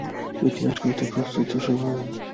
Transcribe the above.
ইতিহাস গড়তে প্রস্তুত তো সবাই?